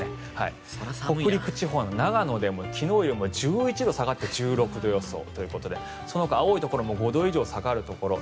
北陸地方の長野でも昨日よりも１１度下がって１６度予想ということでそのほか青いところも５度以上、下がるところ。